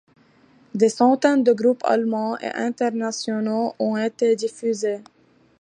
Des centaines de groupes allemands et internationaux ont été diffusés.